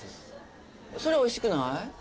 それおいしくない？